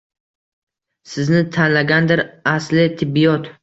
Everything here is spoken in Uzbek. Sizni tanlagandir asli Tibbiyot!